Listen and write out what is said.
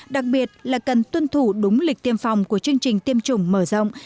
đặc biệt là cần tuân thủ đúng lịch tiêm phòng của chương trình tiêm chủng mở rộng